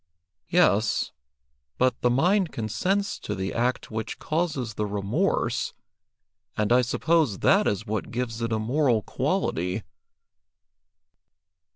"Yes, but the mind consents to the act which causes the remorse, and I suppose that is what gives it a moral quality."